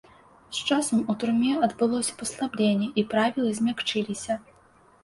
З часам у турме адбылося паслабленне і правілы змякчыліся.